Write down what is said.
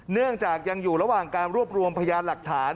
เนื่องจากยังอยู่ระหว่างการรวบรวมพยานหลักฐาน